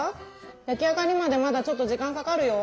焼き上がりまでまだちょっと時間かかるよ。